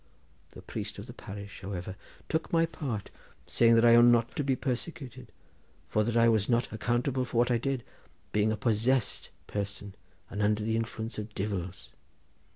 The priest of the parish, however, took my part, saying that I ought not to be persecuted, for that I was not accountable for what I did, being a possessed person, and under the influence of divils.